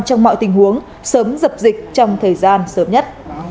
trong mọi tình huống sớm dập dịch trong thời gian sớm nhất